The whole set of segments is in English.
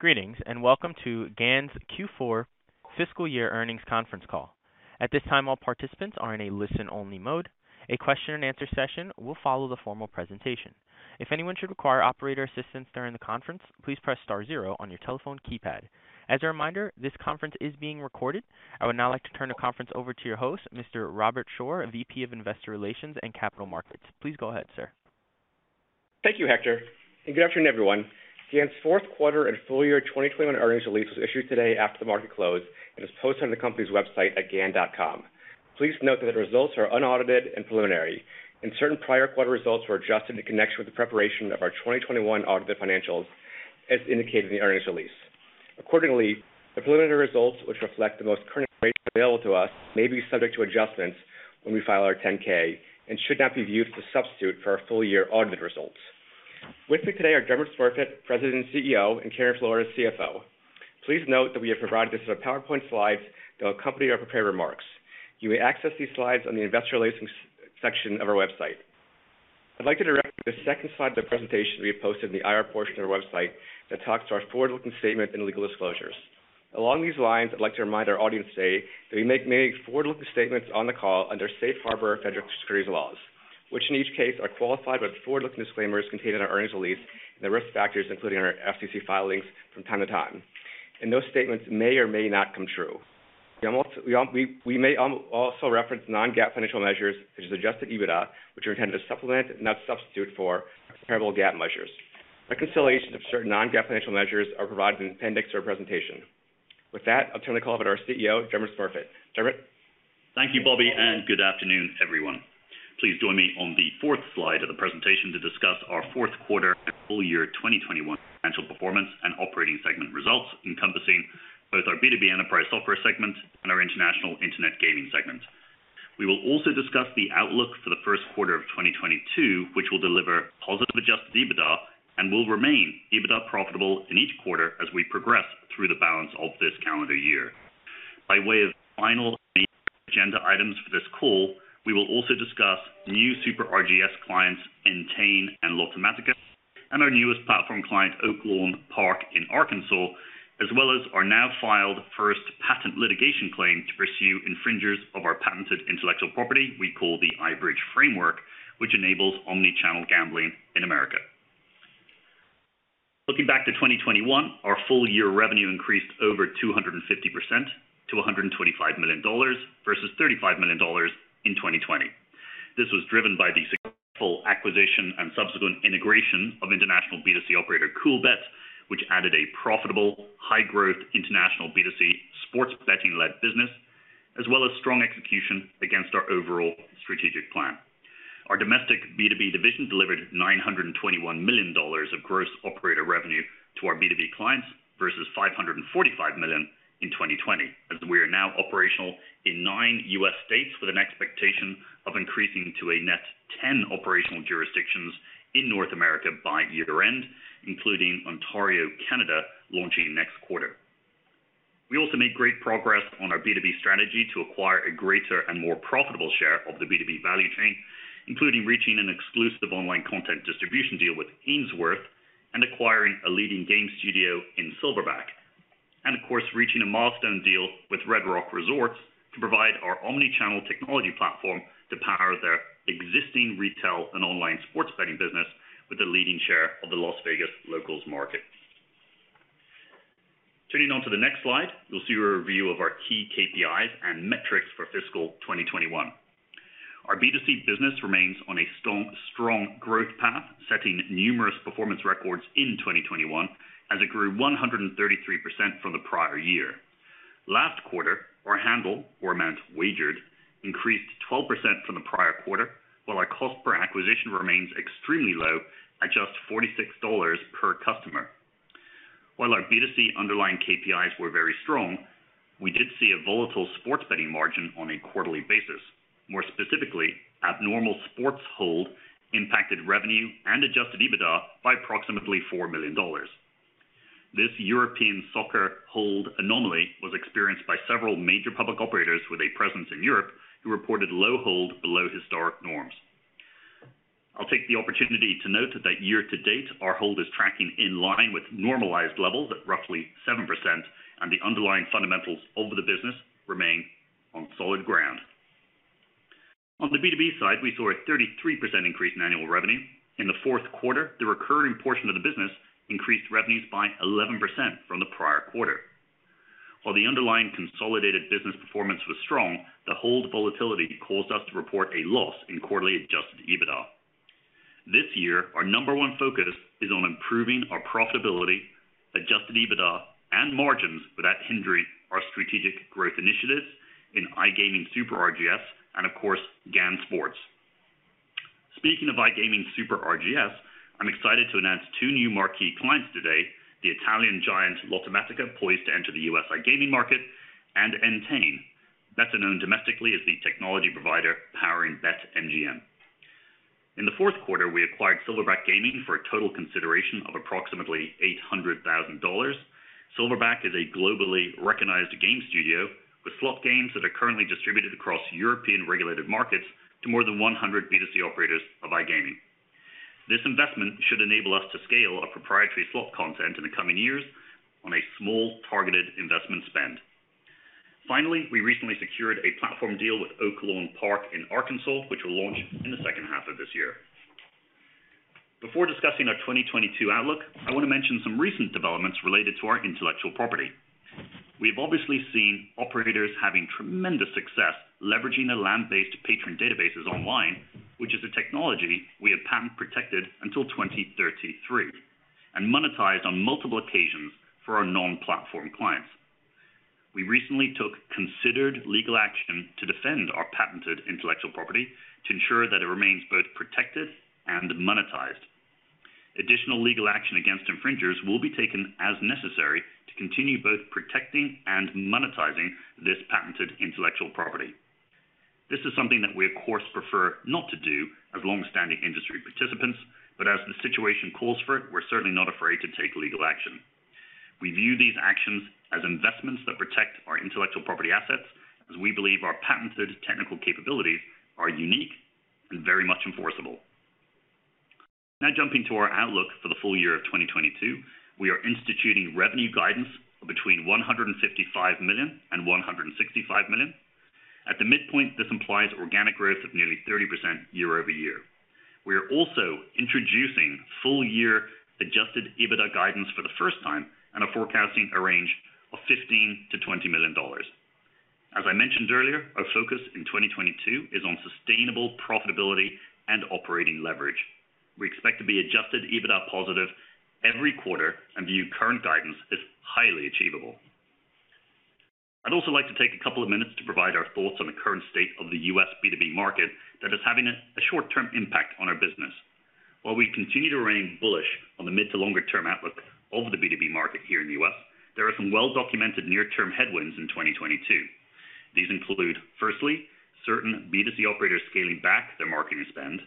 Greetings, and welcome to GAN's Q4 fiscal year earnings conference call. At this time, all participants are in a listen-only mode. A question and answer session will follow the formal presentation. If anyone should require operator assistance during the conference, please press star zero on your telephone keypad. As a reminder, this conference is being recorded. I would now like to turn the conference over to your host, Mr. Robert Shore, VP of Investor Relations and Capital Markets. Please go ahead, sir. Thank you, Hector, and good afternoon, everyone. GAN's fourth quarter and full year 2021 earnings release was issued today after the market closed and is posted on the company's website at gan.com. Please note that the results are unaudited and preliminary, and certain prior quarter results were adjusted in connection with the preparation of our 2021 audited financials as indicated in the earnings release. Accordingly, the preliminary results which reflect the most current information available to us may be subject to adjustments when we file our 10-K and should not be viewed as a substitute for our full year audited results. With me today are Dermot Smurfit, President and CEO, and Karen Flores, CFO. Please note that we have provided a set of PowerPoint slides that accompany our prepared remarks. You may access these slides on the investor relations section of our website. I'd like to direct you to the second slide of the presentation we have posted in the IR portion of our website that talks to our forward-looking statements and legal disclosures. Along these lines, I'd like to remind our audience today that we may make forward-looking statements on the call under safe harbor federal securities laws, which in each case are qualified with forward-looking disclaimers contained in our earnings release and the risk factors included in our SEC filings from time to time. Those statements may or may not come true. We may also reference non-GAAP financial measures, such as adjusted EBITDA, which are intended to supplement and not substitute for comparable GAAP measures. Reconciliation of certain non-GAAP financial measures are provided in the appendix of our presentation. With that, I'll turn the call over to our CEO, Dermot Smurfit. Dermot. Thank you, Bobby, and good afternoon, everyone. Please join me on the fourth slide of the presentation to discuss our fourth quarter and full year 2021 financial performance and operating segment results encompassing both our B2B enterprise software segment and our international internet gaming segment. We will also discuss the outlook for the first quarter of 2022, which will deliver positive adjusted EBITDA and will remain EBITDA profitable in each quarter as we progress through the balance of this calendar year. By way of final agenda items for this call, we will also discuss new Super RGS clients, Entain and Lottomatica, and our newest platform client, Oaklawn Park in Arkansas, as well as our now filed first patent litigation claim to pursue infringers of our patented intellectual property we call the iBridge Framework, which enables omni-channel gambling in America. Looking back to 2021, our full year revenue increased over 250% to $125 million versus $35 million in 2020. This was driven by the successful acquisition and subsequent integration of international B2C operator Coolbet, which added a profitable, high-growth international B2C sports betting-led business, as well as strong execution against our overall strategic plan. Our domestic B2B division delivered $921 million of gross operator revenue to our B2B clients versus $545 million in 2020, as we are now operational in nine U.S. states with an expectation of increasing to a net 10 operational jurisdictions in North America by year-end, including Ontario, Canada, launching next quarter. We also made great progress on our B2B strategy to acquire a greater and more profitable share of the B2B value chain, including reaching an exclusive online content distribution deal with Ainsworth and acquiring a leading game studio in Silverback. Of course, reaching a milestone deal with Red Rock Resorts to provide our omni-channel technology platform to power their existing retail and online sports betting business with a leading share of the Las Vegas locals market. Turning to the next slide, you'll see a review of our key KPIs and metrics for fiscal 2021. Our B2C business remains on a strong growth path, setting numerous performance records in 2021, as it grew 133% from the prior year. Last quarter, our handle or amount wagered increased 12% from the prior quarter, while our cost per acquisition remains extremely low at just $46 per customer. While our B2C underlying KPIs were very strong, we did see a volatile sports betting margin on a quarterly basis. More specifically, abnormal sports hold impacted revenue and adjusted EBITDA by approximately $4 million. This European soccer hold anomaly was experienced by several major public operators with a presence in Europe who reported low hold below historic norms. I'll take the opportunity to note that year-to-date, our hold is tracking in line with normalized levels at roughly 7%, and the underlying fundamentals of the business remain on solid ground. On the B2B side, we saw a 33% increase in annual revenue. In the fourth quarter, the recurring portion of the business increased revenues by 11% from the prior quarter. While the underlying consolidated business performance was strong, the hold volatility caused us to report a loss in quarterly adjusted EBITDA. This year, our number one focus is on improving our profitability, adjusted EBITDA, and margins without hindering our strategic growth initiatives in iGaming, Super RGS, and of course, GAN Sports. Speaking of iGaming Super RGS, I'm excited to announce two new marquee clients today, the Italian giant Lottomatica, poised to enter the U.S. iGaming market, and Entain, better known domestically as the technology provider powering BetMGM. In the fourth quarter, we acquired Silverback Gaming for a total consideration of approximately $800,000. Silverback Gaming is a globally recognized game studio with slot games that are currently distributed across European regulated markets to more than 100 B2C operators of iGaming. This investment should enable us to scale our proprietary slot content in the coming years on a small, targeted investment spend. Finally, we recently secured a platform deal with Oaklawn Park in Arkansas, which will launch in the second half of this year. Before discussing our 2022 outlook, I wanna mention some recent developments related to our intellectual property. We've obviously seen operators having tremendous success leveraging their land-based patron databases online, which is a technology we have patent-protected until 2033, and monetized on multiple occasions for our non-platform clients. We recently took concerted legal action to defend our patented intellectual property to ensure that it remains both protected and monetized. Additional legal action against infringers will be taken as necessary to continue both protecting and monetizing this patented intellectual property. This is something that we, of course, prefer not to do as long-standing industry participants, but as the situation calls for it, we're certainly not afraid to take legal action. We view these actions as investments that protect our intellectual property assets as we believe our patented technical capabilities are unique and very much enforceable. Now jumping to our outlook for the full year of 2022. We are instituting revenue guidance of between $155 million and $165 million. At the midpoint, this implies organic growth of nearly 30% year-over-year. We are also introducing full-year adjusted EBITDA guidance for the first time and are forecasting a range of $15 million-$20 million. As I mentioned earlier, our focus in 2022 is on sustainable profitability and operating leverage. We expect to be adjusted EBITDA positive every quarter and view current guidance as highly achievable. I'd also like to take a couple of minutes to provide our thoughts on the current state of the U.S. B2B market that is having a short-term impact on our business. While we continue to remain bullish on the mid- to longer-term outlook of the B2B market here in the U.S., there are some well-documented near-term headwinds in 2022. These include, firstly, certain B2C operators scaling back their marketing spend.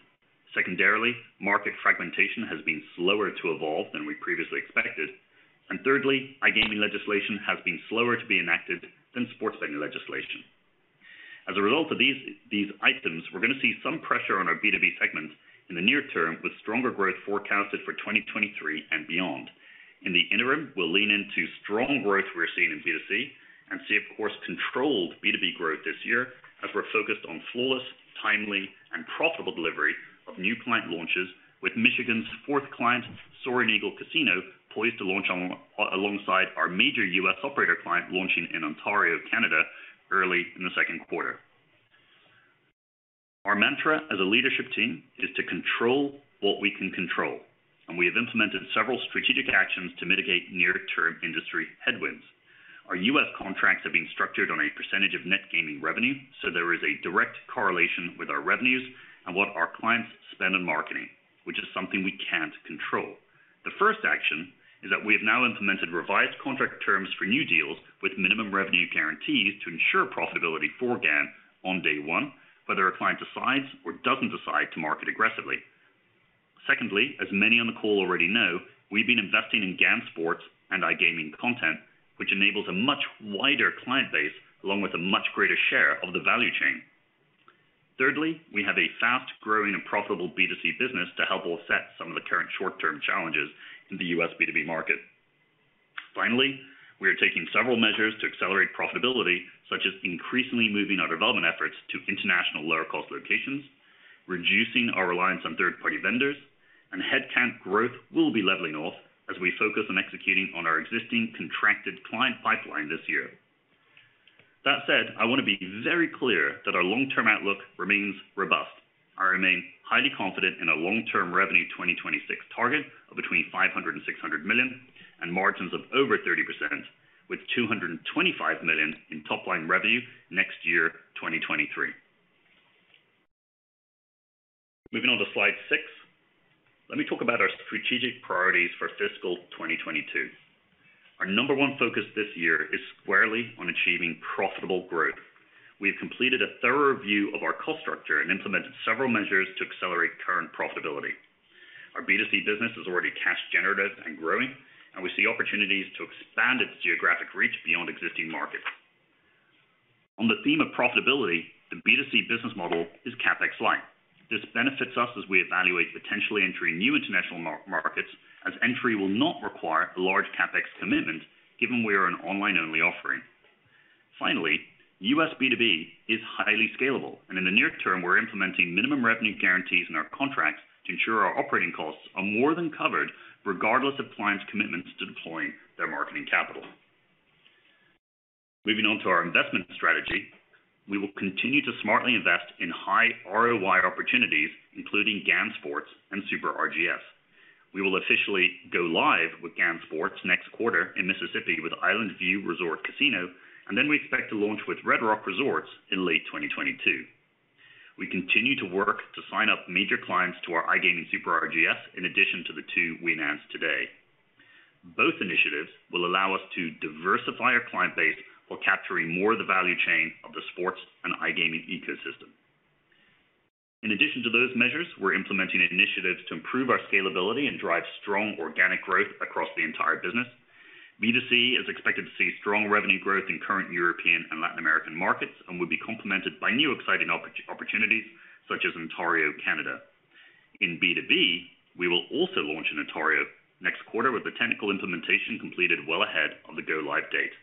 Secondarily, market fragmentation has been slower to evolve than we previously expected. Thirdly, iGaming legislation has been slower to be enacted than sports betting legislation. As a result of these items, we're gonna see some pressure on our B2B segments in the near term, with stronger growth forecasted for 2023 and beyond. In the interim, we'll lean into strong growth we're seeing in B2C and, of course, controlled B2B growth this year as we're focused on flawless, timely, and profitable delivery of new client launches with Michigan's fourth client, Soaring Eagle Casino, poised to launch alongside our major U.S. operator client launching in Ontario, Canada, early in the second quarter. Our mantra as a leadership team is to control what we can control, and we have implemented several strategic actions to mitigate near-term industry headwinds. Our U.S. contracts are being structured on a percentage of net gaming revenue, so there is a direct correlation with our revenues and what our clients spend on marketing, which is something we can't control. The first action is that we have now implemented revised contract terms for new deals with minimum revenue guarantees to ensure profitability for GAN on day one, whether a client decides or doesn't decide to market aggressively. Secondly, as many on the call already know, we've been investing in GAN Sports and iGaming content, which enables a much wider client base along with a much greater share of the value chain. Thirdly, we have a fast-growing and profitable B2C business to help offset some of the current short-term challenges in the U.S. B2B market. Finally, we are taking several measures to accelerate profitability, such as increasingly moving our development efforts to international lower-cost locations, reducing our reliance on third-party vendors, and headcount growth will be leveling off as we focus on executing on our existing contracted client pipeline this year. That said, I wanna be very clear that our long-term outlook remains robust. I remain highly confident in our long-term revenue 2026 target of between $500 million-$600 million and margins of over 30% with $225 million in top line revenue next year, 2023. Moving on to slide six. Let me talk about our strategic priorities for fiscal 2022. Our number One focus this year is squarely on achieving profitable growth. We have completed a thorough review of our cost structure and implemented several measures to accelerate current profitability. Our B2C business is already cash generative and growing, and we see opportunities to expand its geographic reach beyond existing markets. On the theme of profitability, the B2C business model is CapEx light. This benefits us as we evaluate potentially entering new international markets, as entry will not require a large CapEx commitment given we are an online-only offering. Finally, U.S. B2B is highly scalable, and in the near term, we're implementing minimum revenue guarantees in our contracts to ensure our operating costs are more than covered regardless of clients' commitments to deploying their marketing capital. Moving on to our investment strategy. We will continue to smartly invest in high ROI opportunities, including GAN Sports and Super RGS. We will officially go live with GAN Sports next quarter in Mississippi with Island View Casino Resort, and then we expect to launch with Red Rock Resorts in late 2022. We continue to work to sign up major clients to our iGaming Super RGS in addition to the two we announced today. Both initiatives will allow us to diversify our client base while capturing more of the value chain of the sports and iGaming ecosystem. In addition to those measures, we're implementing initiatives to improve our scalability and drive strong organic growth across the entire business. B2C is expected to see strong revenue growth in current European and Latin American markets and will be complemented by new exciting opportunities such as Ontario, Canada. In B2B, we will also launch in Ontario next quarter with the technical implementation completed well ahead of the go-live date.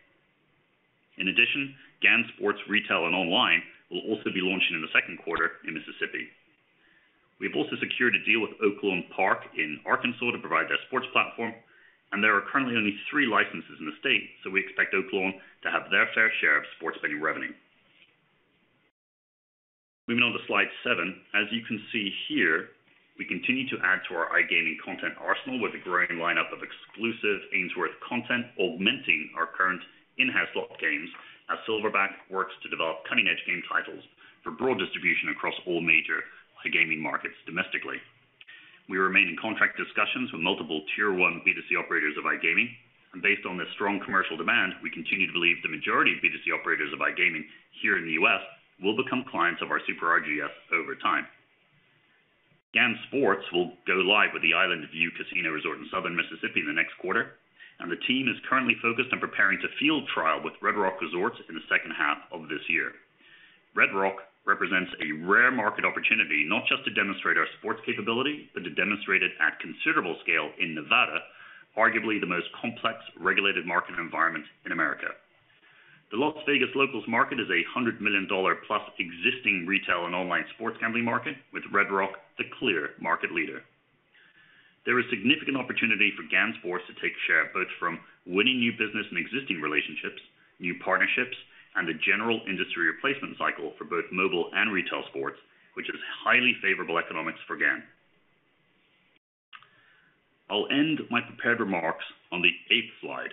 In addition, GAN Sports Retail and Online will also be launching in the second quarter in Mississippi. We've also secured a deal with Oaklawn Park in Arkansas to provide their sports platform, and there are currently only three licenses in the state, so we expect Oaklawn to have their fair share of sports betting revenue. Moving on to slide seven. As you can see here, we continue to add to our iGaming content arsenal with a growing lineup of exclusive Ainsworth content, augmenting our current in-house slot games as Silverback works to develop cutting-edge game titles for broad distribution across all major iGaming markets domestically. We remain in contract discussions with multiple tier-one B2C operators of iGaming, and based on their strong commercial demand, we continue to believe the majority of B2C operators of iGaming here in the U.S. will become clients of our Super RGS over time. GAN Sports will go live with the Island View Casino Resort in Southern Mississippi in the next quarter, and the team is currently focused on preparing to field trial with Red Rock Resorts in the second half of this year. Red Rock represents a rare market opportunity, not just to demonstrate our sports capability, but to demonstrate it at considerable scale in Nevada, arguably the most complex regulated market environment in America. The Las Vegas locals market is a $100 million+ existing retail and online sports gambling market, with Red Rock the clear market leader. There is significant opportunity for GAN Sports to take share, both from winning new business and existing relationships, new partnerships, and the general industry replacement cycle for both mobile and retail sports, which is highly favorable economics for GAN. I'll end my prepared remarks on the eighth slide.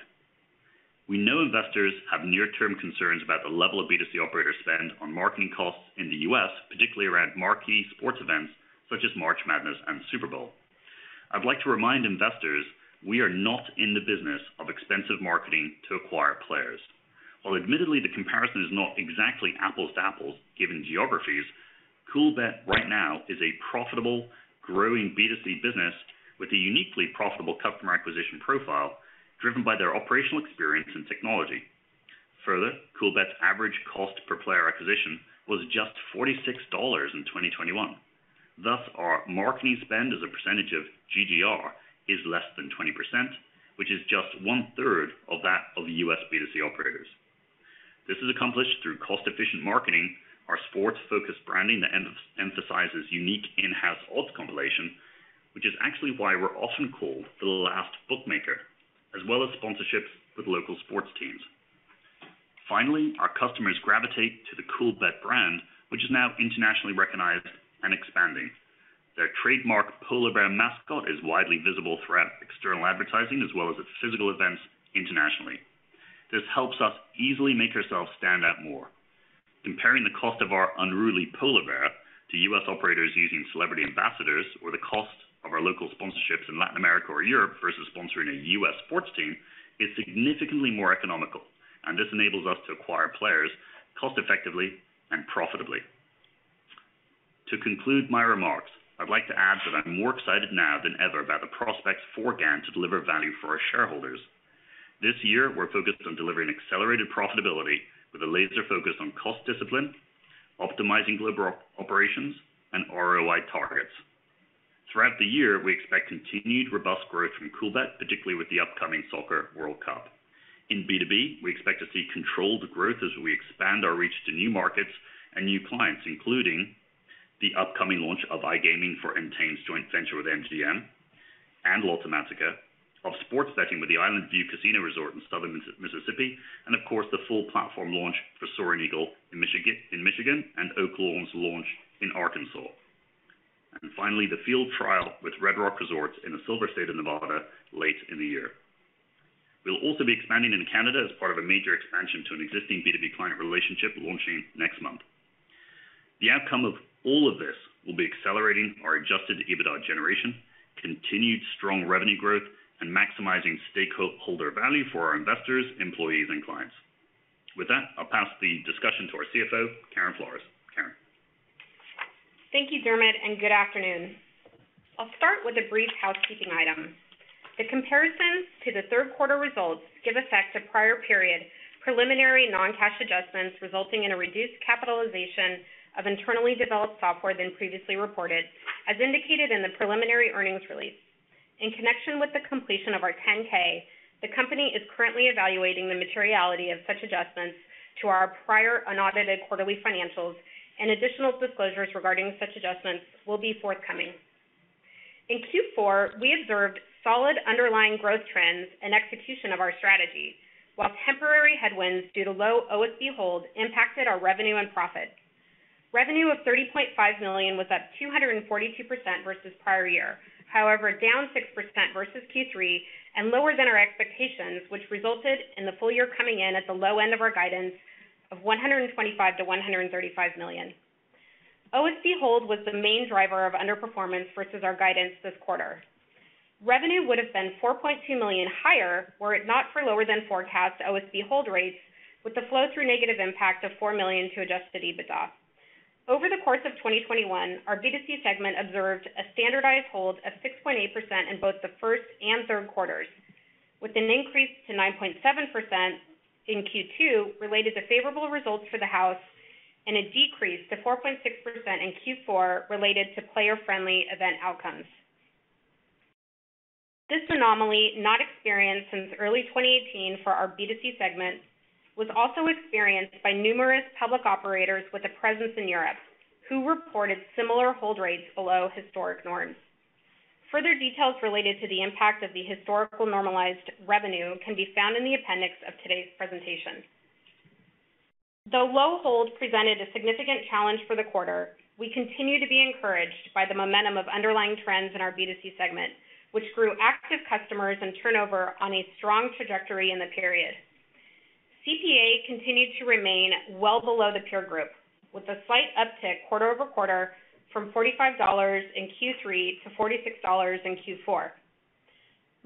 We know investors have near-term concerns about the level of B2C operators spend on marketing costs in the U.S., particularly around marquee sports events such as March Madness and Super Bowl. I'd like to remind investors we are not in the business of expensive marketing to acquire players. While admittedly, the comparison is not exactly apples to apples given geographies, Coolbet right now is a profitable, growing B2C business with a uniquely profitable customer acquisition profile driven by their operational experience and technology. Further, Coolbet's average cost per player acquisition was just $46 in 2021. Thus, our marketing spend as a percentage of GGR is less than 20%, which is just one-third of that of U.S. B2C operators. This is accomplished through cost-efficient marketing, our sports-focused branding that emphasizes unique in-house odds compilation, which is actually why we're often called the last bookmaker, as well as sponsorships with local sports teams. Finally, our customers gravitate to the Coolbet brand, which is now internationally recognized and expanding. Their trademark polar bear mascot is widely visible throughout external advertising as well as its physical events internationally. This helps us easily make ourselves stand out more. Comparing the cost of our unruly polar bear to U.S. operators using celebrity ambassadors or the cost of our local sponsorships in Latin America or Europe versus sponsoring a U.S. sports team is significantly more economical, and this enables us to acquire players cost-effectively and profitably. To conclude my remarks, I'd like to add that I'm more excited now than ever about the prospects for GAN to deliver value for our shareholders. This year, we're focused on delivering accelerated profitability with a laser focus on cost discipline, optimizing global operations, and ROI targets. Throughout the year, we expect continued robust growth from Coolbet, particularly with the upcoming Soccer World Cup. In B2B, we expect to see controlled growth as we expand our reach to new markets and new clients, including the upcoming launch of iGaming for Entain's joint venture with MGM and launch of sports betting with the Island View Casino Resort in southern Mississippi, and of course, the full platform launch for Soaring Eagle in Michigan and Oaklawn's launch in Arkansas. Finally, the field trial with Red Rock Resorts in the Silver State of Nevada late in the year. We'll also be expanding in Canada as part of a major expansion to an existing B2B client relationship launching next month. The outcome of all of this will be accelerating our adjusted EBITDA generation, continued strong revenue growth, and maximizing stakeholder value for our investors, employees, and clients. With that, I'll pass the discussion to our CFO, Karen Flores. Karen. Thank you, Dermot, and good afternoon. I'll start with a brief housekeeping item. The comparisons to the third quarter results give effect to prior period preliminary non-cash adjustments, resulting in a reduced capitalization of internally developed software than previously reported, as indicated in the preliminary earnings release. In connection with the completion of our 10-K, the company is currently evaluating the materiality of such adjustments to our prior unaudited quarterly financials and additional disclosures regarding such adjustments will be forthcoming. In Q4, we observed solid underlying growth trends and execution of our strategy, while temporary headwinds due to low OSB hold impacted our revenue and profit. Revenue of $30.5 million was up 242% versus prior year, however, down 6% versus Q3 and lower than our expectations, which resulted in the full year coming in at the low end of our guidance of $125 million-$135 million. OSB hold was the main driver of underperformance versus our guidance this quarter. Revenue would have been $4.2 million higher were it not for lower than forecast OSB hold rates with the flow through negative impact of $4 million to adjusted EBITDA. Over the course of 2021, our B2C segment observed a standardized hold of 6.8% in both the first and third quarters, with an increase to 9.7% in Q2 related to favorable results for the house and a decrease to 4.6% in Q4 related to player-friendly event outcomes. This anomaly, not experienced since early 2018 for our B2C segment, was also experienced by numerous public operators with a presence in Europe, who reported similar hold rates below historic norms. Further details related to the impact of the historical normalized revenue can be found in the appendix of today's presentation. Though low hold presented a significant challenge for the quarter, we continue to be encouraged by the momentum of underlying trends in our B2C segment, which grew active customers and turnover on a strong trajectory in the period. CPA continued to remain well below the peer group, with a slight uptick quarter-over-quarter from $45 in Q3 to $46 in Q4.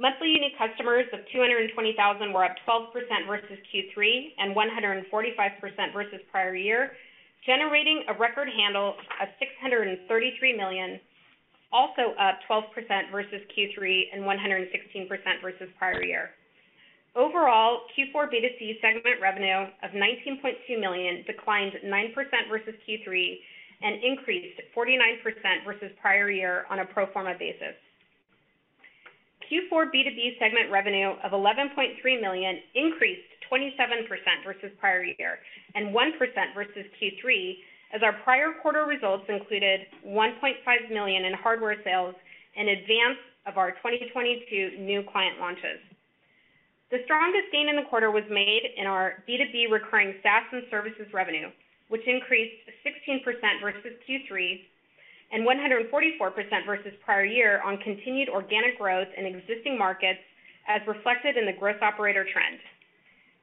Monthly unique customers of 220,000 were up 12% versus Q3 and 145% versus prior year, generating a record handle of $633 million, also up 12% versus Q3 and 116% versus prior year. Overall, Q4 B2C segment revenue of $19.2 million declined 9% versus Q3 and increased 49% versus prior year on a pro forma basis. Q4 B2B segment revenue of $11.3 million increased 27% versus prior year and 1% versus Q3, as our prior quarter results included $1.5 million in hardware sales in advance of our 2022 new client launches. The strongest gain in the quarter was made in our B2B recurring SaaS and services revenue, which increased 16% versus Q3 and 144% versus prior year on continued organic growth in existing markets, as reflected in the gross operator trend.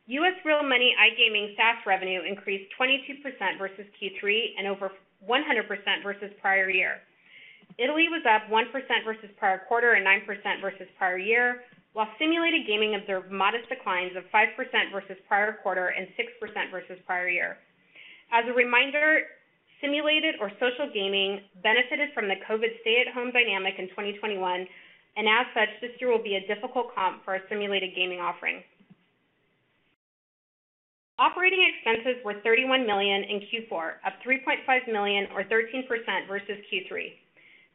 US real money iGaming SaaS revenue increased 22% versus Q3 and over 100% versus prior year. Italy was up 1% versus prior quarter and 9% versus prior year, while simulated gaming observed modest declines of 5% versus prior quarter and 6% versus prior year. As a reminder, simulated or social gaming benefited from the COVID stay-at-home dynamic in 2021, and as such, this year will be a difficult comp for our simulated gaming offering. Operating expenses were $31 million in Q4, up $3.5 million or 13% versus Q3.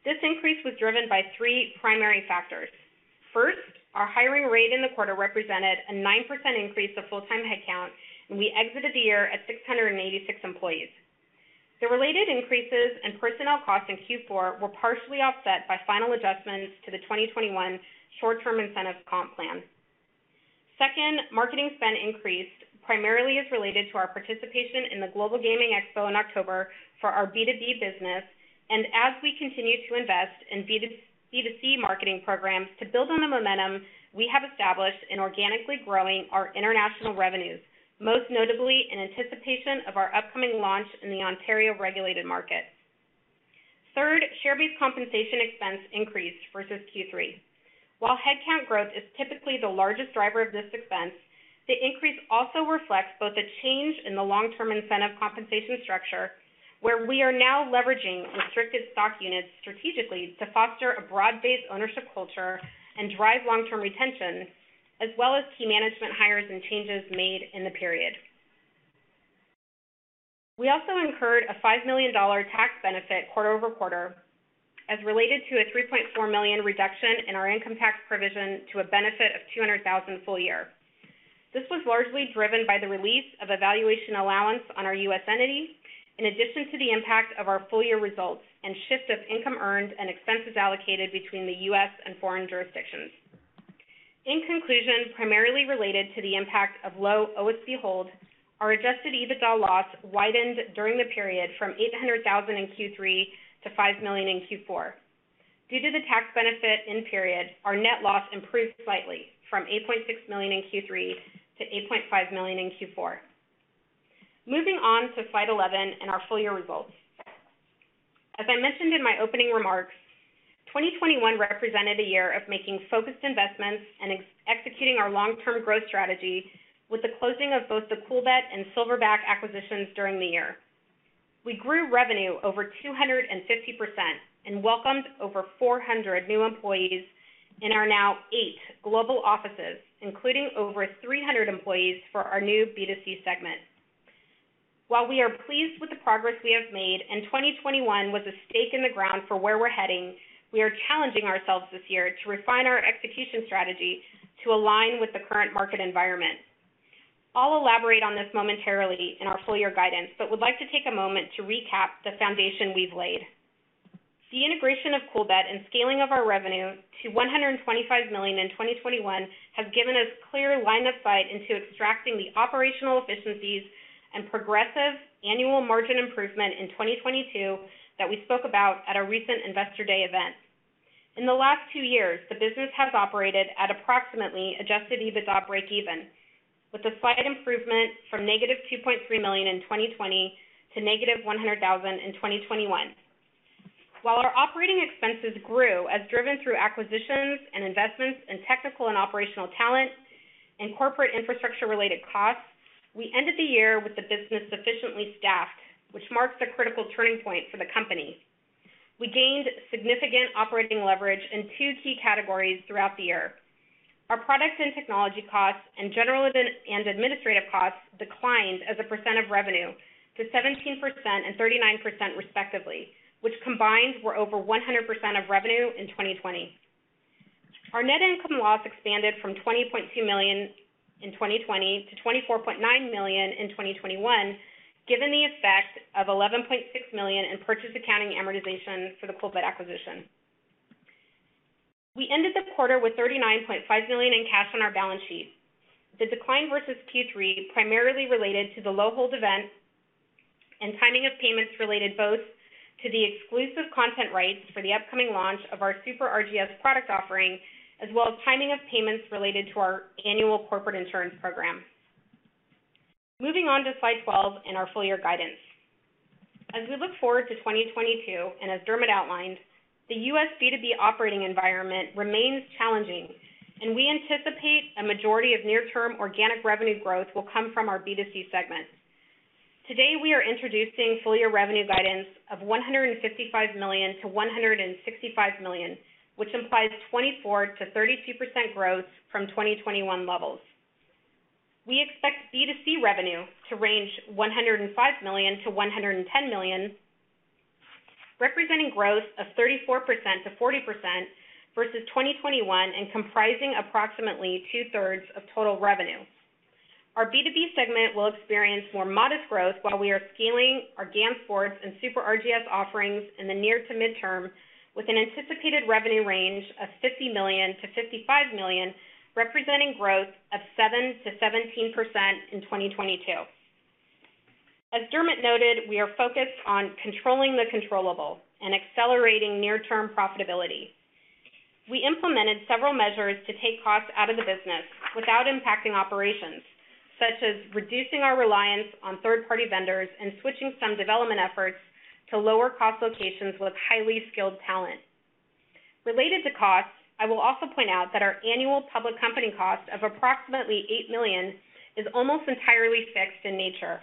This increase was driven by three primary factors. First, our hiring rate in the quarter represented a 9% increase of full-time headcount, and we exited the year at 686 employees. The related increases in personnel costs in Q4 were partially offset by final adjustments to the 2021 short-term incentive comp plan. Second, marketing spend increased primarily as related to our participation in the Global Gaming Expo in October for our B2B business and as we continue to invest in B2C marketing programs to build on the momentum we have established in organically growing our international revenues, most notably in anticipation of our upcoming launch in the Ontario regulated market. Third, share-based compensation expense increased versus Q3. While headcount growth is typically the largest driver of this expense, the increase also reflects both a change in the long-term incentive compensation structure, where we are now leveraging restricted stock units strategically to foster a broad-based ownership culture and drive long-term retention, as well as key management hires and changes made in the period. We also incurred a $5 million tax benefit quarter-over-quarter as related to a $3.4 million reduction in our income tax provision to a benefit of $200,000 full-year. This was largely driven by the release of a valuation allowance on our U.S. entity, in addition to the impact of our full-year results and shift of income earned and expenses allocated between the U.S. and foreign jurisdictions. In conclusion, primarily related to the impact of low OSB hold, our adjusted EBITDA loss widened during the period from $800,000 in Q3 to $5 million in Q4. Due to the tax benefit in period, our net loss improved slightly from $8.6 million in Q3 to $8.5 million in Q4. Moving on to slide 11 and our full-year results. As I mentioned in my opening remarks, 2021 represented a year of making focused investments and executing our long-term growth strategy with the closing of both the Coolbet and Silverback acquisitions during the year. We grew revenue over 250% and welcomed over 400 new employees in our now eight global offices, including over 300 employees for our new B2C segment. While we are pleased with the progress we have made and 2021 was a stake in the ground for where we're heading, we are challenging ourselves this year to refine our execution strategy to align with the current market environment. I'll elaborate on this momentarily in our full year guidance, but would like to take a moment to recap the foundation we've laid. The integration of Coolbet and scaling of our revenue to $125 million in 2021 has given us clear line of sight into extracting the operational efficiencies and progressive annual margin improvement in 2022 that we spoke about at our recent Investor Day event. In the last two years, the business has operated at approximately adjusted EBITDA breakeven, with a slight improvement from -$2.3 million in 2020 to -$100,000 in 2021. While our operating expenses grew as driven through acquisitions and investments in technical and operational talent and corporate infrastructure-related costs, we ended the year with the business sufficiently staffed, which marks the critical turning point for the company. We gained significant operating leverage in two key categories throughout the year. Our products and technology costs and general and administrative costs declined as a percent of revenue to 17% and 39% respectively, which combined were over 100% of revenue in 2020. Our net income loss expanded from $20.2 million in 2020 to $24.9 million in 2021, given the effect of $11.6 million in purchase accounting amortization for the Coolbet acquisition. We ended the quarter with $39.5 million in cash on our balance sheet. The decline versus Q3 primarily related to the low hold event and timing of payments related both to the exclusive content rights for the upcoming launch of our Super RGS product offering, as well as timing of payments related to our annual corporate insurance program. Moving on to slide 12 and our full year guidance. As we look forward to 2022, as Dermot outlined, the U.S. B2B operating environment remains challenging, and we anticipate a majority of near-term organic revenue growth will come from our B2C segment. Today, we are introducing full-year revenue guidance of $155 million-$165 million, which implies 24%-32% growth from 2021 levels. We expect B2C revenue to range $105 million-$110 million, representing growth of 34%-40% versus 2021 and comprising approximately two-thirds of total revenue. Our B2B segment will experience more modest growth while we are scaling our GAN Sports and Super RGS offerings in the near to midterm with an anticipated revenue range of $50 million-$55 million, representing growth of 7%-17% in 2022. As Dermot noted, we are focused on controlling the controllable and accelerating near-term profitability. We implemented several measures to take costs out of the business without impacting operations, such as reducing our reliance on third-party vendors and switching some development efforts to lower cost locations with highly skilled talent. Related to costs, I will also point out that our annual public company cost of approximately $8 million is almost entirely fixed in nature.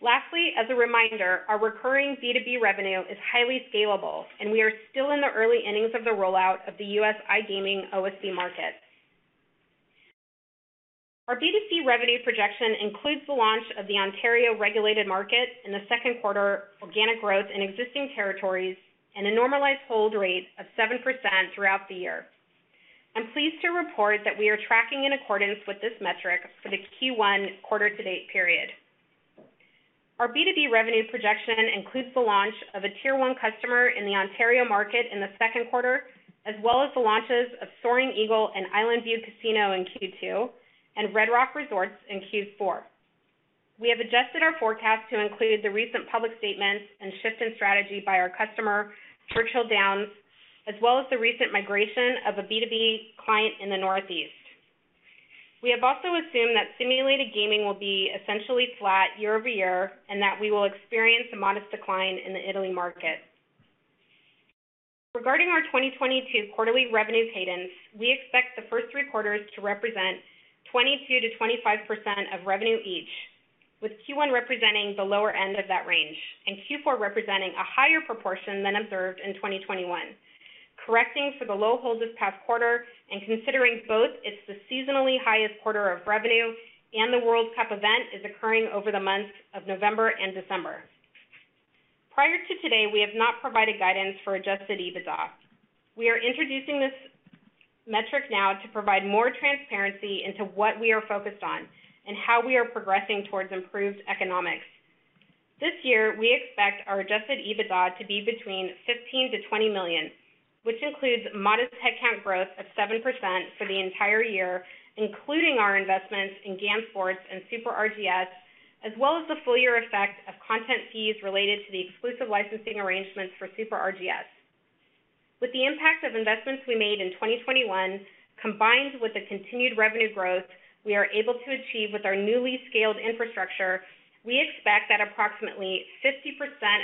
Lastly, as a reminder, our recurring B2B revenue is highly scalable, and we are still in the early innings of the rollout of the U.S. iGaming OSB market. Our B2C revenue projection includes the launch of the Ontario regulated market in the second quarter, organic growth in existing territories, and a normalized hold rate of 7% throughout the year. I'm pleased to report that we are tracking in accordance with this metric for the Q1 quarter to date period. Our B2B revenue projection includes the launch of a tier one customer in the Ontario market in the second quarter, as well as the launches of Soaring Eagle and Island View Casino in Q2 and Red Rock Resorts in Q4. We have adjusted our forecast to include the recent public statements and shift in strategy by our customer, Churchill Downs, as well as the recent migration of a B2B client in the Northeast. We have also assumed that simulated gaming will be essentially flat year over year and that we will experience a modest decline in the Italy market. Regarding our 2022 quarterly revenue cadence, we expect the first three quarters to represent 22%-25% of revenue each, with Q1 representing the lower end of that range and Q4 representing a higher proportion than observed in 2021. Correcting for the low hold this past quarter and considering both, it's the seasonally highest quarter of revenue and the World Cup event is occurring over the months of November and December. Prior to today, we have not provided guidance for adjusted EBITDA. We are introducing this metric now to provide more transparency into what we are focused on and how we are progressing towards improved economics. This year, we expect our adjusted EBITDA to be between $15 million-$20 million, which includes modest headcount growth of 7% for the entire year, including our investments in GAN Sports and Super RGS, as well as the full year effect of content fees related to the exclusive licensing arrangements for Super RGS. With the impact of investments we made in 2021, combined with the continued revenue growth we are able to achieve with our newly scaled infrastructure, we expect that approximately 50%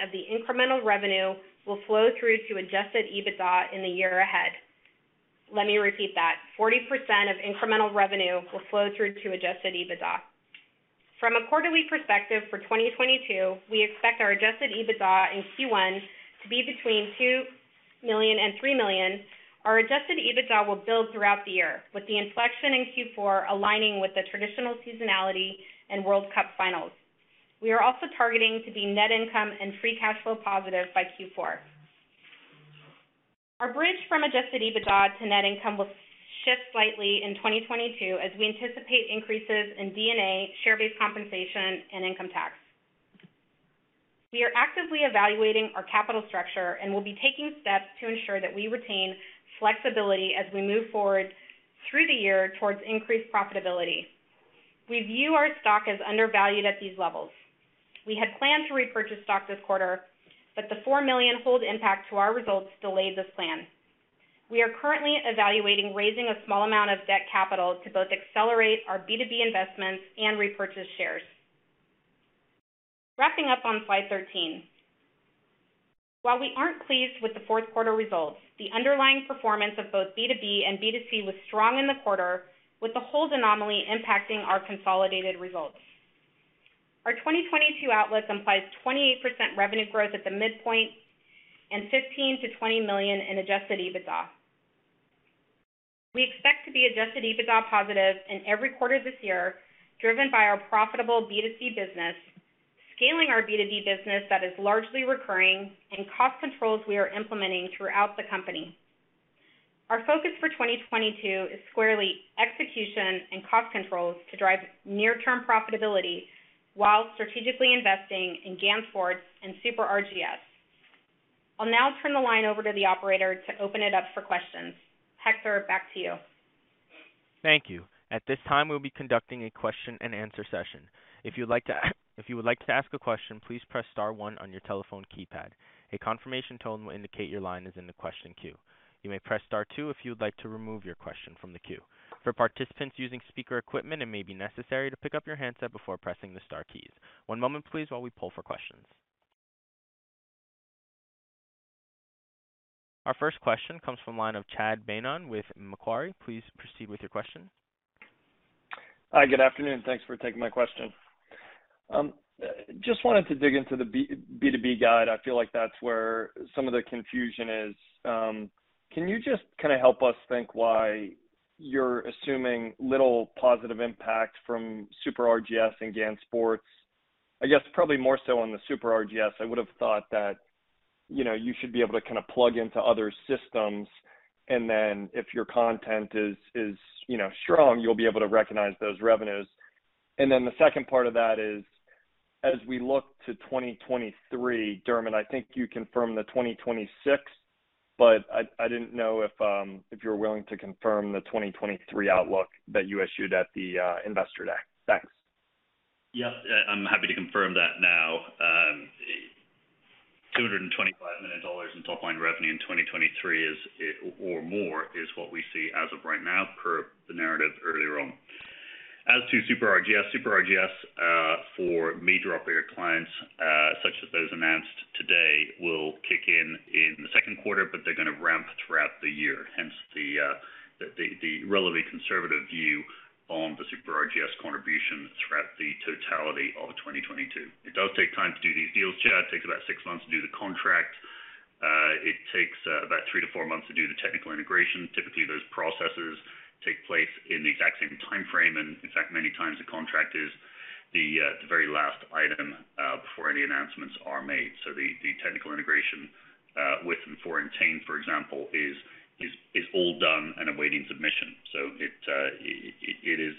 of the incremental revenue will flow through to adjusted EBITDA in the year ahead. Let me repeat that. 40% of incremental revenue will flow through to adjusted EBITDA. From a quarterly perspective for 2022, we expect our adjusted EBITDA in Q1 to be between $2 million-$3 million. Our adjusted EBITDA will build throughout the year, with the inflection in Q4 aligning with the traditional seasonality and World Cup finals. We are also targeting to be net income and free cash flow positive by Q4. Our bridge from adjusted EBITDA to net income will shift slightly in 2022 as we anticipate increases in D&A, share-based compensation, and income tax. We are actively evaluating our capital structure and will be taking steps to ensure that we retain flexibility as we move forward through the year towards increased profitability. We view our stock as undervalued at these levels. We had planned to repurchase stock this quarter, but the $4 million hold impact to our results delayed this plan. We are currently evaluating raising a small amount of debt capital to both accelerate our B2B investments and repurchase shares. Wrapping up on slide 13. While we aren't pleased with the fourth quarter results, the underlying performance of both B2B and B2C was strong in the quarter, with the hold anomaly impacting our consolidated results. Our 2022 outlook implies 28% revenue growth at the midpoint and $15 million-$20 million in adjusted EBITDA. We expect to be adjusted EBITDA positive in every quarter this year, driven by our profitable B2C business, scaling our B2B business that is largely recurring and cost controls we are implementing throughout the company. Our focus for 2022 is squarely execution and cost controls to drive near-term profitability while strategically investing in GAN Sports and Super RGS. I'll now turn the line over to the operator to open it up for questions. Hector, back to you. Thank you. At this time, we'll be conducting a question-and-answer session. If you would like to ask a question, please press star one on your telephone keypad. A confirmation tone will indicate your line is in the question queue. You may press star two if you would like to remove your question from the queue. For participants using speaker equipment, it may be necessary to pick up your handset before pressing the star keys. One moment please, while we poll for questions. Our first question comes from the line of Chad Beynon with Macquarie. Please proceed with your question. Hi, good afternoon. Thanks for taking my question. Just wanted to dig into the B2B guide. I feel like that's where some of the confusion is. Can you just kinda help us think why you're assuming little positive impact from Super RGS and GAN Sports? I guess probably more so on the Super RGS. I would have thought that, you know, you should be able to kinda plug into other systems, and then if your content is, you know, strong, you'll be able to recognize those revenues. The second part of that is, as we look to 2023, Dermot, I think you confirmed the 2026, but I didn't know if you're willing to confirm the 2023 outlook that you issued at the investor day. Thanks. Yeah, I'm happy to confirm that now. $225 million in top line revenue in 2023, or more, is what we see as of right now per the narrative earlier on. As to Super RGS for major operator clients, such as those announced today, will kick in in the second quarter, but they're gonna ramp throughout the year. Hence, the relatively conservative view on the Super RGS contribution throughout the totality of 2022. It does take time to do these deals. It takes about six months to do the contract. It takes about three-four months to do the technical integration. Typically, those processes take place in the exact same timeframe. In fact, many times the contract is the very last item before any announcements are made. The technical integration with and for Entain, for example, is all done and awaiting submission. It is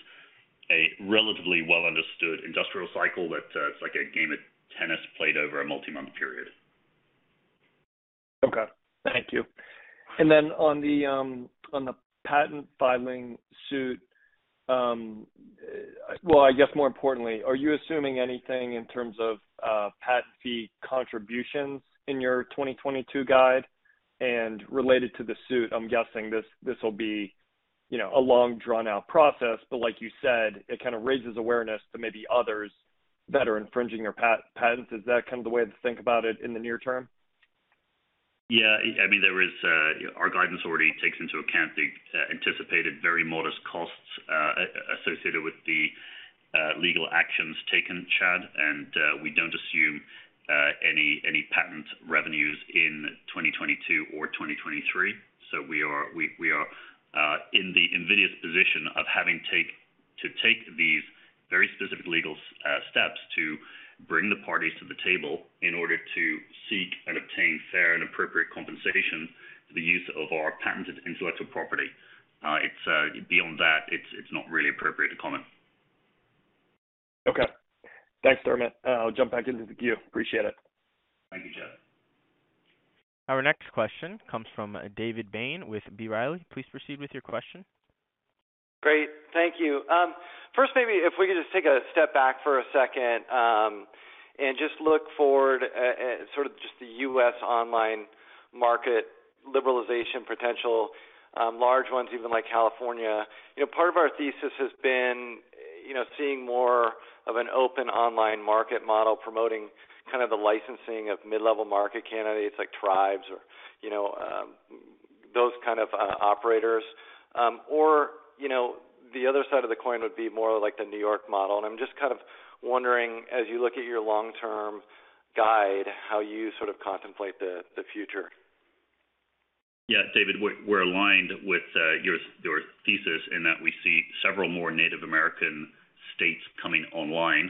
a relatively well understood industry cycle that it's like a game of tennis played over a multi-month period. Okay, thank you. On the patent filing suit, well, I guess more importantly, are you assuming anything in terms of patent fee contributions in your 2022 guide? Related to the suit, I'm guessing this will be, you know, a long drawn out process, but like you said, it kinda raises awareness to maybe others that are infringing your patents. Is that kind of the way to think about it in the near term? Yeah. I mean, there is our guidance already takes into account the anticipated very modest costs associated with the legal actions taken, Chad, and we don't assume any patent revenues in 2022 or 2023. We are in the invidious position of to take these very specific legal steps to bring the parties to the table in order to seek and obtain fair and appropriate compensation for the use of our patented intellectual property. It's beyond that, it's not really appropriate to comment. Okay. Thanks, Dermot. I'll jump back into the queue. Appreciate it. Thank you, Chad. Our next question comes from David Bain with B. Riley. Please proceed with your question. Great. Thank you. First, maybe if we could just take a step back for a second, and just look forward, sort of just the U.S. online market liberalization potential, large ones, even like California. You know, part of our thesis has been, you know, seeing more of an open online market model promoting kind of the licensing of mid-level market candidates like tribes or, you know, those kind of operators. You know, the other side of the coin would be more like the New York model. I'm just kind of wondering, as you look at your long-term guide, how you sort of contemplate the future. Yeah, David, we're aligned with your thesis in that we see several more Native American states coming online,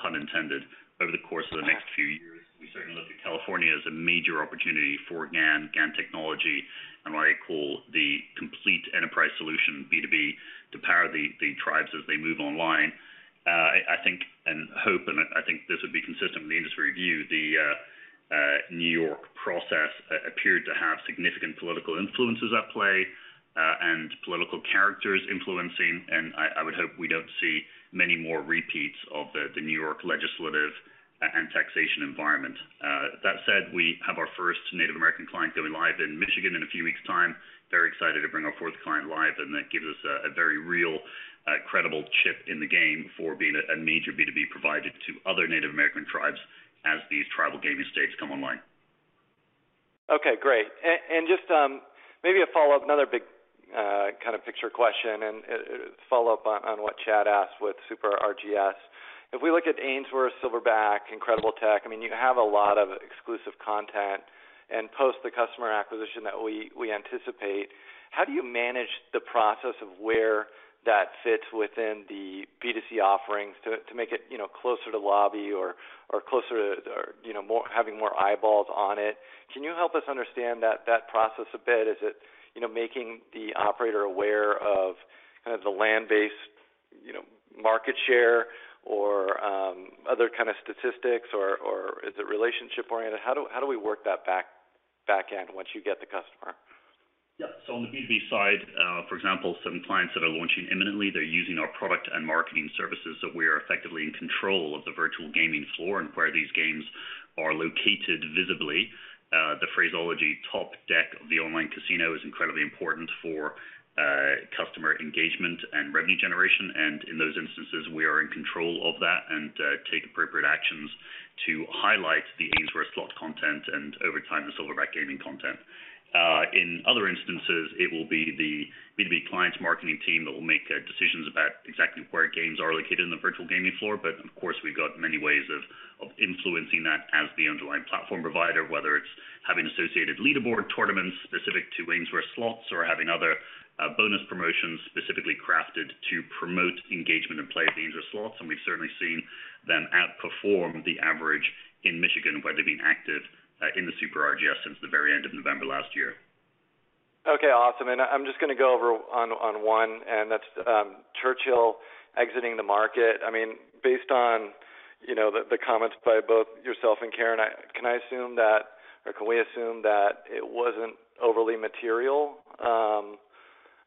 pun intended, over the course of the next few years. We certainly look to California as a major opportunity for GAN technology, and what I call the complete enterprise solution B2B to power the tribes as they move online. I think and hope, and I think this would be consistent with the industry view, the New York process appeared to have significant political influences at play, and political characters influencing. I would hope we don't see many more repeats of the New York legislative environment. That said, we have our first Native American client going live in Michigan in a few weeks' time. Very excited to bring our fourth client live, and that gives us a very real, credible chip in the game for being a major B2B provider to other Native American tribes as these tribal gaming states come online. Okay, great. Just maybe a follow-up, another big kind of picture question and follow up on what Chad asked with Super RGS. If we look at Ainsworth, Silverback, Incredible Tech, I mean, you have a lot of exclusive content and post the customer acquisition that we anticipate, how do you manage the process of where that fits within the B2C offerings to make it, you know, closer to lobby or closer to, you know, more having more eyeballs on it? Can you help us understand that process a bit? Is it, you know, making the operator aware of kind of the land-based, you know, market share or other kind of statistics or is it relationship oriented? How do we work that back end once you get the customer? Yeah. On the B2B side, for example, some clients that are launching imminently, they're using our product and marketing services, so we are effectively in control of the virtual gaming floor and where these games are located visibly. The phraseology top deck of the online casino is incredibly important for customer engagement and revenue generation. In those instances, we are in control of that and take appropriate actions to highlight the Ainsworth slot content and over time, the Silverback Gaming content. In other instances, it will be the B2B client's marketing team that will make decisions about exactly where games are located in the virtual gaming floor. Of course, we've got many ways of influencing that as the underlying platform provider, whether it's having associated leaderboard tournaments specific to Ainsworth slots or having other, bonus promotions specifically crafted to promote engagement and play the Ainsworth slots. We've certainly seen them outperform the average in Michigan, where they've been active in the Super RGS since the very end of November last year. Okay, awesome. I'm just gonna go over on one, and that's Churchill exiting the market. I mean, based on, you know, the comments by both yourself and Karen, can I assume that or can we assume that it wasn't overly material, or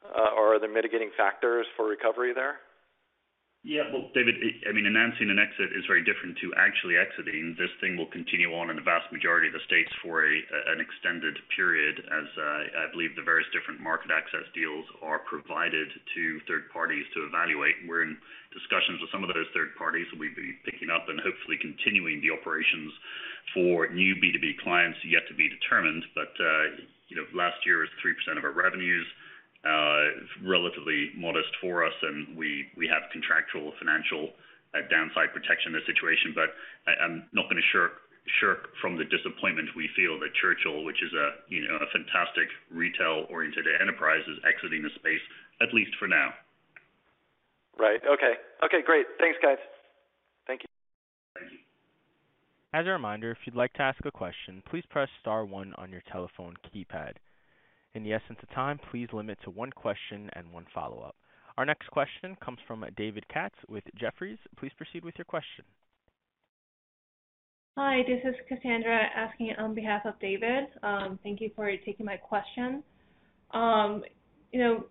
are there mitigating factors for recovery there? Yeah. Well, David, I mean, announcing an exit is very different to actually exiting. This thing will continue on in the vast majority of the states for an extended period as I believe the various different market access deals are provided to third parties to evaluate. We're in discussions with some of those third parties, so we'd be picking up and hopefully continuing the operations for new B2B clients yet to be determined. You know, last year was 3% of our revenues. It's relatively modest for us, and we have contractual financial downside protection in this situation. I'm not gonna shirk from the disappointment we feel that Churchill, which is, you know, a fantastic retail-oriented enterprise, is exiting the space, at least for now. Right. Okay, great. Thanks, guys. Thank you. As a reminder, if you'd like to ask a question, please press star one on your telephone keypad. In the interest of time, please limit to one question and one follow-up. Our next question comes from David Katz with Jefferies. Please proceed with your question. Hi, this is Cassandra asking on behalf of David. Thank you for taking my question. You know,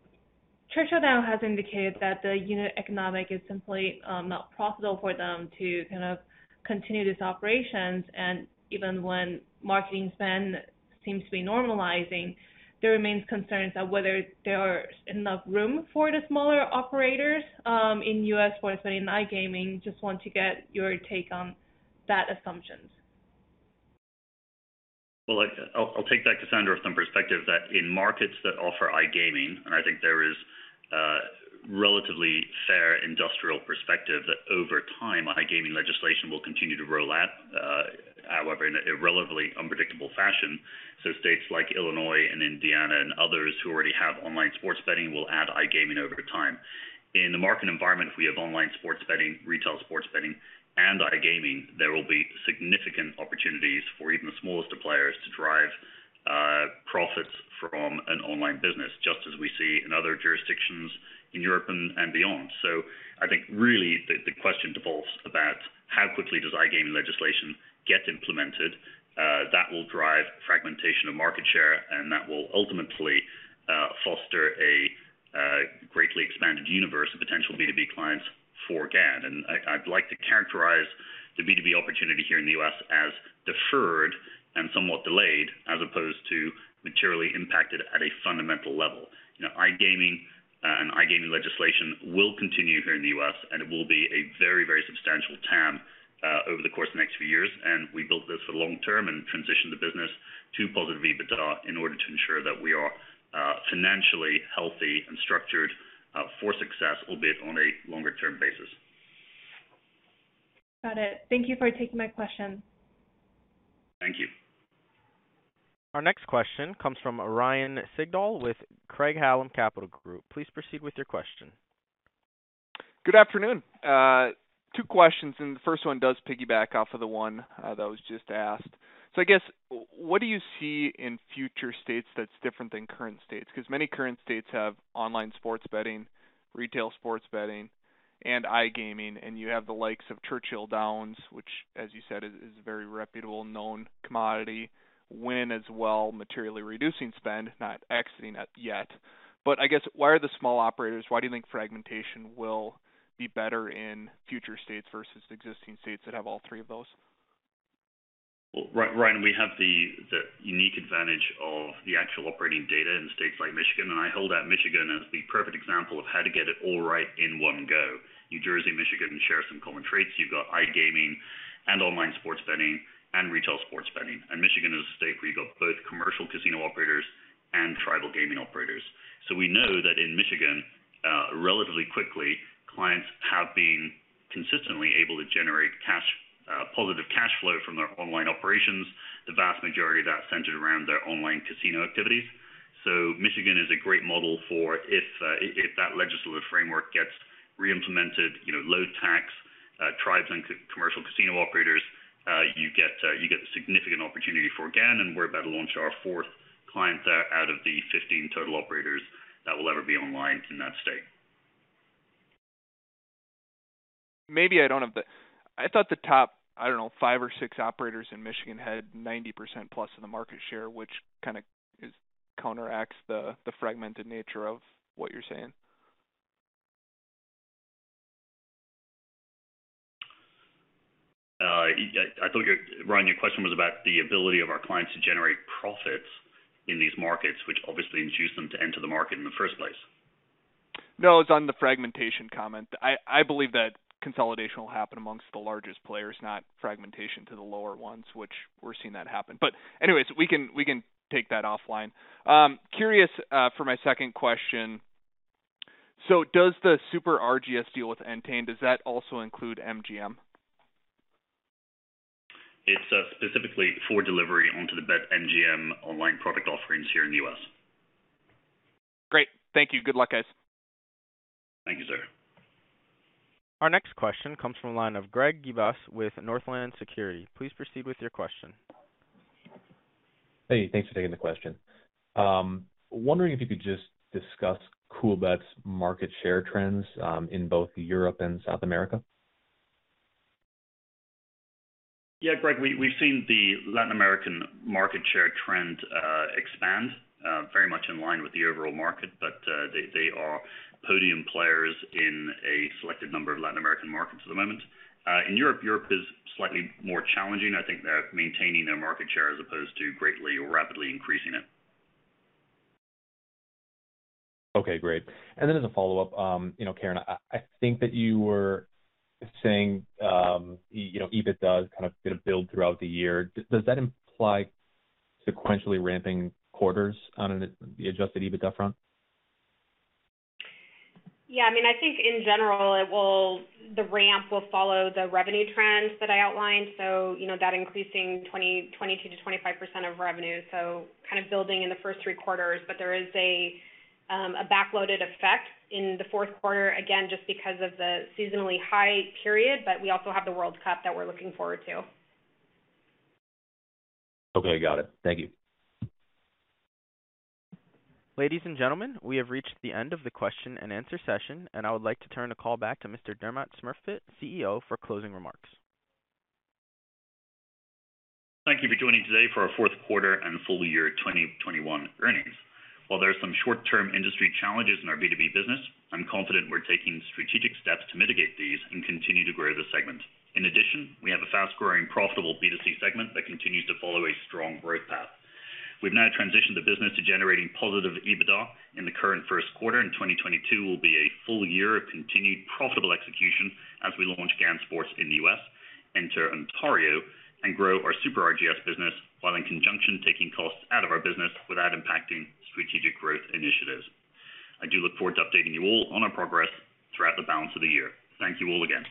Churchill Downs has indicated that the unit economics is simply not profitable for them to kind of continue these operations. Even when marketing spend seems to be normalizing, there remains concerns of whether there are enough room for the smaller operators in U.S. for, say, in iGaming. Just want to get your take on that assumptions. Well, I'll take that, Cassandra, with some perspective that in markets that offer iGaming, and I think there is relatively fair industry perspective that over time, iGaming legislation will continue to roll out, however, in a relatively unpredictable fashion. States like Illinois and Indiana and others who already have online sports betting will add iGaming over time. In the market environment, if we have online sports betting, retail sports betting, and iGaming, there will be significant opportunities for even the smallest of players to drive profits from an online business, just as we see in other jurisdictions in Europe and beyond. I think really the question revolves about how quickly does iGaming legislation get implemented, that will drive fragmentation of market share, and that will ultimately foster a greatly expanded universe of potential B2B clients for GAN. I'd like to characterize the B2B opportunity here in the U.S. as deferred and somewhat delayed, as opposed to materially impacted at a fundamental level. You know, iGaming and iGaming legislation will continue here in the U.S., and it will be a very, very substantial TAM over the course of the next few years. We built this for the long term and transitioned the business to positive EBITDA in order to ensure that we are financially healthy and structured for success, albeit on a longer term basis. Got it. Thank you for taking my question. Thank you. Our next question comes from Ryan Sigdahl with Craig-Hallum Capital Group. Please proceed with your question. Good afternoon. Two questions, and the first one does piggyback off of the one that was just asked. I guess, what do you see in future states that's different than current states? 'Cause many current states have online sports betting, retail sports betting, and iGaming, and you have the likes of Churchill Downs, which, as you said, is a very reputable known commodity, Wynn as well, materially reducing spend, not exiting it yet. I guess why are the small operators, why do you think fragmentation will be better in future states versus existing states that have all three of those? Well, Ryan, we have the unique advantage of the actual operating data in states like Michigan. I hold out Michigan as the perfect example of how to get it all right in one go. New Jersey and Michigan share some common traits. You've got iGaming and online sports betting and retail sports betting. Michigan is a state where you've got both commercial casino operators and tribal gaming operators. We know that in Michigan, relatively quickly, clients have been consistently able to generate positive cash flow from their online operations, the vast majority of that centered around their online casino activities. Michigan is a great model for if that legislative framework gets re-implemented, you know, low tax, tribes and commercial casino operators. You get significant opportunity for GAN, and we're about to launch our fourth client out of the 15 total operators that will ever be online in that state. I thought the top, I don't know, five or six operators in Michigan had 90%+ of the market share, which kinda counteracts the fragmented nature of what you're saying. I thought Ryan, your question was about the ability of our clients to generate profits in these markets, which obviously induced them to enter the market in the first place. No, it's on the fragmentation comment. I believe that consolidation will happen amongst the largest players, not fragmentation to the lower ones, which we're seeing that happen. Anyways, we can take that offline. I'm curious for my second question. Does the Super RGS deal with Entain, does that also include MGM? It's specifically for delivery onto the BetMGM online product offerings here in the U.S. Great. Thank you. Good luck, guys. Thank you, sir. Our next question comes from the line of Greg Gibas with Northland Securities. Please proceed with your question. Hey, thanks for taking the question. Wondering if you could just discuss Coolbet's market share trends in both Europe and South America? Yeah, Greg, we've seen the Latin American market share trend expand very much in line with the overall market, but they are podium players in a selected number of Latin American markets at the moment. In Europe is slightly more challenging. I think they're maintaining their market share as opposed to greatly or rapidly increasing it. Okay, great. As a follow-up, you know, Karen, I think that you were saying, you know, EBITDA is kind of gonna build throughout the year. Does that imply sequentially ramping quarters on the adjusted EBITDA front? Yeah, I mean, I think in general the ramp will follow the revenue trends that I outlined. You know, that increasing 22 to 25% of revenue. Kind of building in the first three quarters, but there is a backloaded effect in the fourth quarter, again, just because of the seasonally high period. We also have the World Cup that we're looking forward to. Okay, got it. Thank you. Ladies and gentlemen, we have reached the end of the question-and-answer session, and I would like to turn the call back to Mr. Dermot Smurfit, CEO, for closing remarks. Thank you for joining today for our fourth quarter and full year 2021 earnings. While there are some short-term industry challenges in our B2B business, I'm confident we're taking strategic steps to mitigate these and continue to grow the segment. In addition, we have a fast-growing, profitable B2C segment that continues to follow a strong growth path. We've now transitioned the business to generating positive EBITDA in the current first quarter, and 2022 will be a full year of continued profitable execution as we launch GAN Sports in the U.S., enter Ontario, and grow our Super RGS business, while in conjunction, taking costs out of our business without impacting strategic growth initiatives. I do look forward to updating you all on our progress throughout the balance of the year. Thank you all again.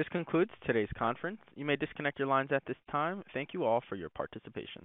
This concludes today's conference. You may disconnect your lines at this time. Thank you all for your participation.